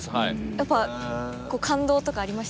やっぱ感動とかありました？